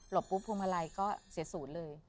หลบกุบพุ่งมาลัยก็เสียสูตรเลย